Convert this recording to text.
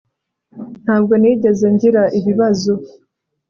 Ntabwo nigeze ngira ibibazo